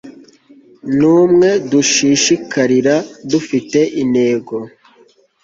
ni umwe dushishikarira dufite intego